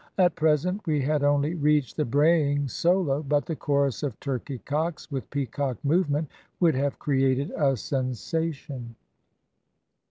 At present we had only reached the braying solo but the chorus of turkeycocks, with peacock movement, would have created a sensation."